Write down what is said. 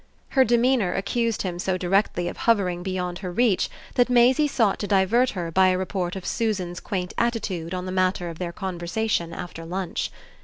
Her demeanour accused him so directly of hovering beyond her reach that Maisie sought to divert her by a report of Susan's quaint attitude on the matter of their conversation after lunch.